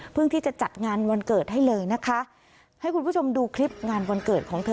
ที่จะจัดงานวันเกิดให้เลยนะคะให้คุณผู้ชมดูคลิปงานวันเกิดของเธอ